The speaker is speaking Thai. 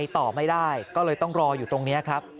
ต่อไม่ได้ก็เลยต้องรออยู่ตรงนี้ครับ